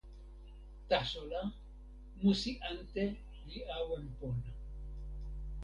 taso la, musi ante li awen pona.